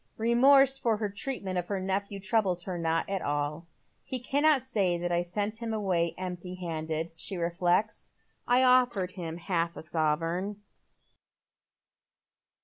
Eemorse for her treatment of her nephew troubles her not at all. "He cannot say that I sent him away empty handed," she reflects. " I ofiered him half a sovereign."